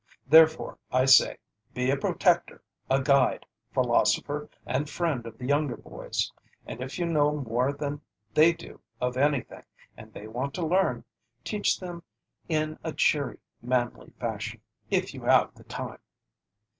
Therefore I say, be a protector, a guide, philosopher and friend of the younger boys, and if you know more than they do of anything, and they want to learn, teach them in a cheery, manly fashion, if you have the time.